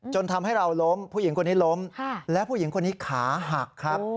จนทำให้เราล้มผู้หญิงคนนี้ล้มและผู้หญิงคนนี้ขาหักครับ